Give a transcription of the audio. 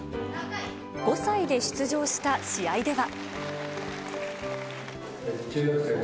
５歳で出場した試合では。